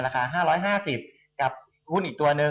ราคา๕๕๐กับหุ้นอีกตัวหนึ่ง